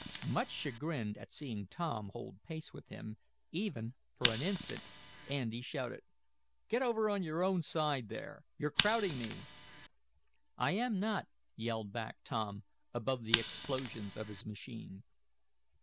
Much chagrined at seeing Tom hold pace with him, even for an instant, Andy shouted: "Get over on your own side there! You're crowding me!" "I am not!" yelled back Tom, above the explosions of his machine.